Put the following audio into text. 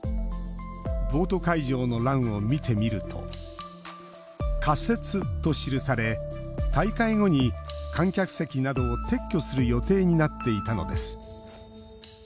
ボート会場の欄を見てみると「仮設」と記され大会後に観客席などを撤去する予定になっていたのです。